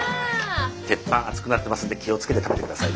鉄板熱くなってますんで気を付けて食べて下さいね。